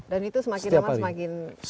dan itu semakin lama semakin bagus